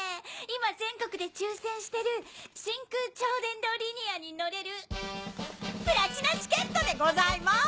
今全国で抽選してる真空超電導リニアに乗れるプラチナチケットでございます！